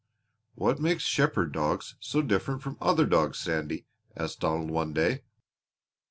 "What makes shepherd dogs so different from other dogs, Sandy?" asked Donald one day.